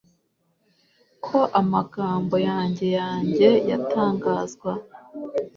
Ko amagambo yanjye yanjye yatangazwa